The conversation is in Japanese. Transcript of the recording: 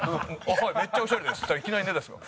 「はいめっちゃオシャレです」っつったらいきなり根建さん